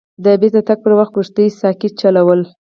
د بیرته تګ پر وخت کښتۍ ساقي چلول.